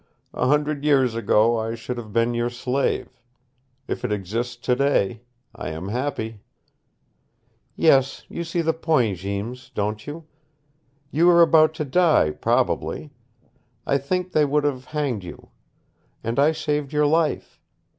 "A hundred years ago I should have been your slave. If it exists today, I am happy." "Yes, you see the point, Jeems, don't you? You were about to die, probably. I think they would have hanged you. And I saved your life.